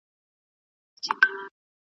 ایا کوچني پلورونکي وچه الوچه پروسس کوي؟